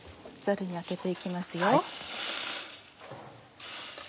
ザルにあけて行きますよ。